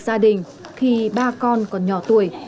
gia đình khi ba con còn nhỏ tuổi